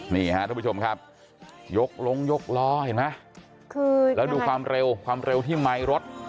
นี่ฮะทุกผู้ชมครับยกลงยกล้อเห็นไหมคือแล้วดูความเร็วความเร็วที่ไมค์รถ